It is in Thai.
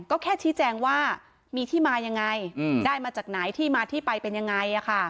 ก็แค่ชี้แจงว่ามีที่มายังไงได้มาจากไหนที่มาที่ไปเป็นยังไง